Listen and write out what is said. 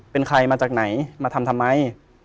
เป็นใครมาจากไหนมาทำทำไม